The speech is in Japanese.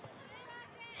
え？